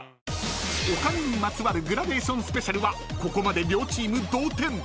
［お金にまつわるグラデーションＳＰはここまで両チーム同点］